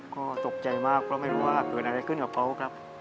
ก็ตกใจมากเพราะไม่รู้ว่าเกิดอะไรขึ้นกับเขาครับ